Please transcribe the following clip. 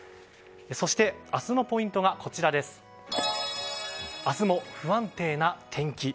そして、明日のポイントが明日も不安定な天気。